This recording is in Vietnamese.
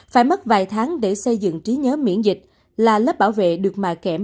phải mất vài tháng để xây dựng trí nhớ miễn dịch là lớp bảo vệ được mà kém